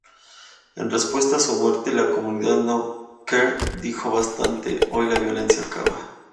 En respuesta a su muerte la comunidad no-queer dijo: 'bastante, hoy la violencia acaba'".